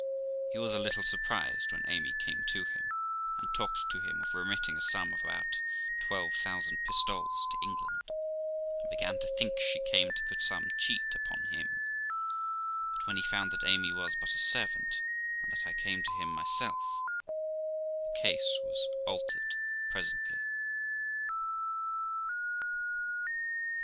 He was a little sur prised when Amy came to him and talked to him of remitting a sum of about twelve thousand pistoles to England, and began to think she came to put some cheat upon him; but when he found that Amy was but a servant, and that I came to him myself, the case was altered presently.